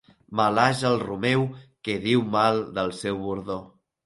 Malhaja el romeu que diu mal del seu bordó.